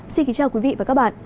xin kính chào quý vị và các bạn